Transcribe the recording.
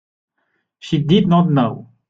She did not know.